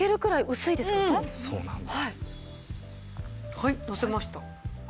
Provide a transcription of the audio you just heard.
はいのせました。